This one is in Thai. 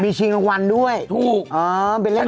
มีชิงรมวัลด้วยเสมออยู่ลูกป่านน์อะไรไหมไม่ใช่แสน